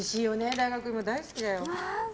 大学いも大好きだよ。